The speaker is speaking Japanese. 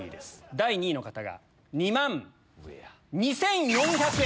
第２位の方が２万２４００円！